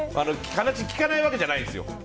話聞かないわけじゃないんですよ。